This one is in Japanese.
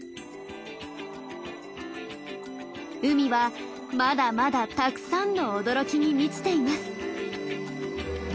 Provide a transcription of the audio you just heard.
海はまだまだたくさんの驚きに満ちています。